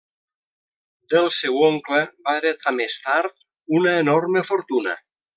Del seu oncle va heretar més tard una enorme fortuna.